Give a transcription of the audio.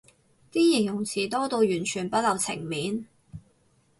啲形容詞多到完全不留情面